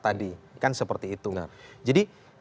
tadi kan seperti itu jadi